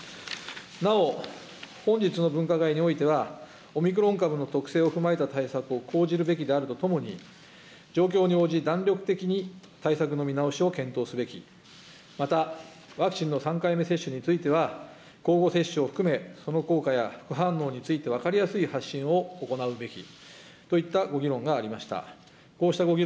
なお、本日の分科会においては、オミクロン株の特性を踏まえた対策を講じるべきであるとともに、状況に応じ、弾力的に対策の見直しを検討すべき、また、ワクチンの３回目接種については、交互接種を含め、その効果や副反応について、分かりやすい発信を行うべきといったご議論がありました。